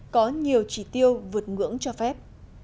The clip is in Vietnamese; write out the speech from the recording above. có nhiều trị tiêu vượt ngưỡng cho phép